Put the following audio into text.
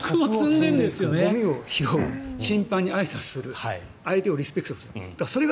ゴミを拾う審判にあいさつする相手をリスペクトする。